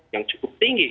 yang cukup tinggi